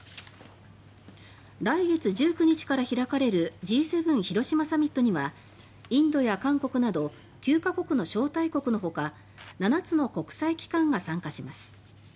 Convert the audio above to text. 来月１９日から開かれるＧ７広島サミットにはインドや韓国など９か国の招待国のほか７つの国際機関が参加します。